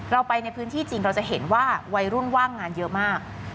เราไปในพื้นที่จริงเราจะเห็นว่าวัยรุ่นว่างงานเยอะมาก